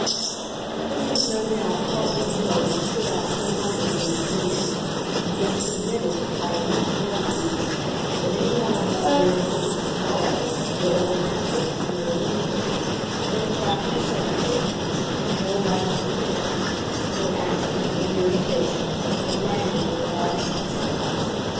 This was, no doubt, partly because he stood out so wonderfully, to the end, against admitting, by a weak word at least, that any element of their existence WAS, or ever had been, an ordeal; no trap of circumstance, no lapse of "form," no accident of irritation, had landed him in that inconsequence.